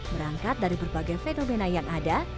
berangkat dari berbagai fenomena yang ada